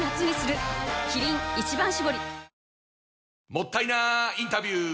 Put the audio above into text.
もったいなインタビュー！